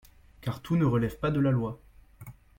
car tout ne relève pas de la loi.